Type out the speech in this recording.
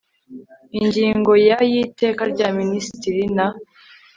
ingingo ya y iteka rya minisitiri n